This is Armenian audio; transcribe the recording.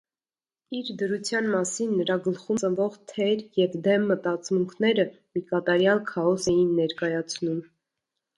Իր դրության մասին նրա գլխում ծնվող թեր և դեմ մտածմունքները մի կատարյալ քաոս էին ներկայացնում: